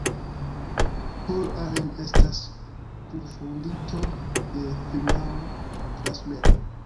Paul Allen estas kunfondinto de firmao Transmeta.